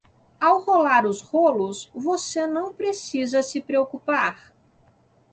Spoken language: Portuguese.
Ao rolar os rolos, você não precisa se preocupar.